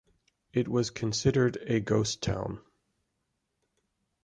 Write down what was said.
It was considered a ghost town.